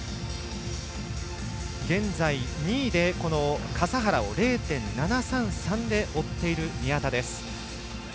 現在、２位で笠原を０．７３３で追っている宮田です。